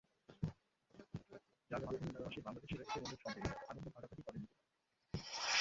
যার মাধ্যমে প্রবাসী বাংলাদেশিরা একে অন্যের সঙ্গে ঈদ-আনন্দ ভাগাভাগি করে নিতে পারছেন।